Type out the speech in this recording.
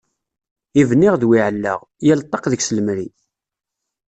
I bniɣ d wi ɛellaɣ, yal ṭṭaq deg-s lemri.